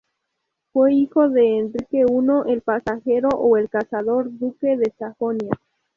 Fue hijo de Enrique I el Pajarero o el Cazador, duque de Sajonia.